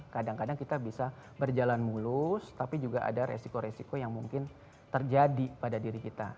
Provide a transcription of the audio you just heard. kadang kadang kita bisa berjalan mulus tapi juga ada resiko resiko yang mungkin terjadi pada diri kita